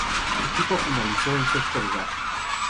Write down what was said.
Su equipo finalizó en sexto lugar.